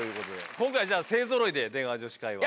今回じゃあ、勢ぞろいで出川女子会は。